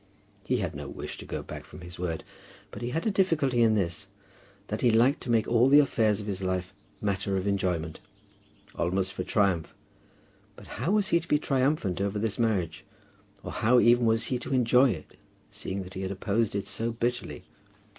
He had no wish to go back from his word. But he had a difficulty in this, that he liked to make all the affairs of his life matter for enjoyment, almost for triumph; but how was he to be triumphant over this marriage, or how even was he to enjoy it, seeing that he had opposed it so bitterly?